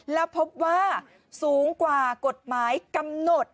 แล้วพบว่าสูงกว่ากฎหมายกำหนด